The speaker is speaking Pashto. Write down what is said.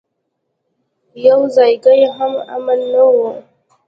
يو ځايګى هم امن نه و.